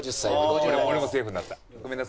俺もセーフになった。